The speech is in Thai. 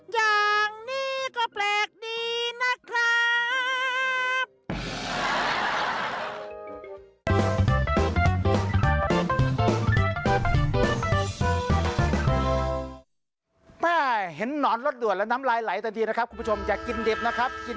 อย่างนี้ก็แปลกดีนะครับ